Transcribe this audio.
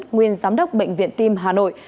nguyên giám đốc bệnh viện tim hà nội